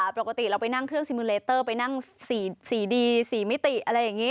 ปกติเราไปนั่งเครื่องซีมูลเลเตอร์ไปนั่งสีดีสีมิติอะไรอย่างนี้